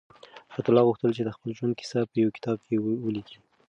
حیات الله غوښتل چې د خپل ژوند کیسه په یو کتاب کې ولیکي.